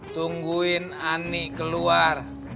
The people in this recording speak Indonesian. tungguin anny keluar